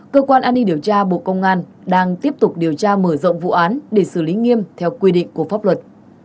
cơ quan an ninh điều tra bộ công an đang tiếp tục điều tra mở rộng vụ án để xử lý nghiêm theo quy định của pháp luật